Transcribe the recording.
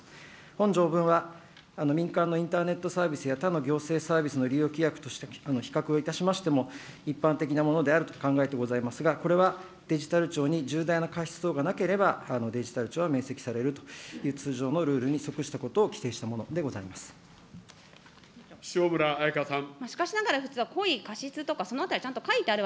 本条文は民間のインターネットサービスや他の行政サービスの利用規約として比較をいたしましても、一般的なものであると考えてございますが、これはデジタル庁に重大な過失等がなければ、デジタル庁は免責されるという通常のルールにそくしたことをし塩村あやかさん。